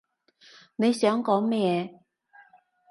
你想講咩？